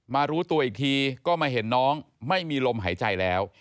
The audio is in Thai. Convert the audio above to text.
รู้ตัวอีกทีก็มาเห็นน้องไม่มีลมหายใจแล้ว